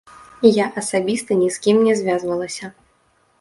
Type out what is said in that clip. Я асабіста ні з кім не звязвалася.